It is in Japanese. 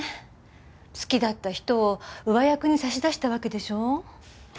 好きだった人を上役に差し出したわけでしょう？